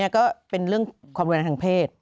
ก็เป็นเรื่องความรุนแรงทางเพศ